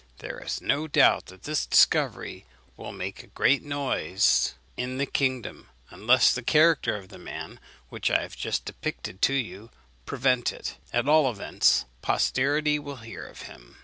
There is no doubt that this discovery will make a great noise in the kingdom, unless the character of the man, which I have just depicted to you, prevent it. At all events, posterity will hear of him."